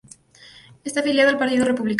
Está afiliada al Partido Republicano.